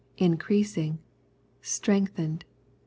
. increasing ... strengthened